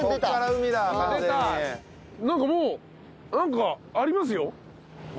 なんかもうなんかありますよ。